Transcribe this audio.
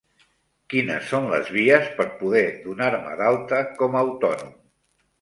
Quines són les vies per poder donar-me d'alta com a autònom?